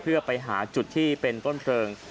เพื่อไปหาจุดที่เปล่นเติมเจริง